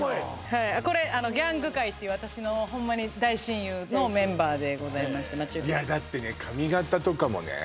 はいこれギャング会っていう私のホンマに大親友のメンバーでございまして待ち受けにいやだってね髪形とかもね